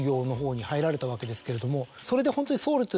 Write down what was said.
それでホントに。